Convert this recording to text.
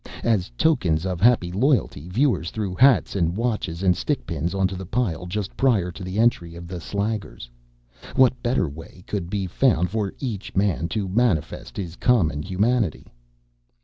As tokens of happy loyalty, viewers threw hats and watches and stickpins onto the pile just prior to the entry of the slaggers. What better way could be found for each man to manifest his common humanity?